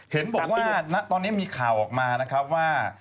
เห็นบอกว่าตอนนี้มีข่าวออกมาว่า